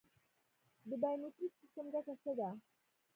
د بایومتریک سیستم ګټه څه ده؟